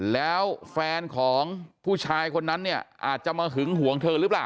แล้วแฟนของผู้ชายคนนั้นเนี่ยอาจจะมาหึงหวงเธอหรือเปล่า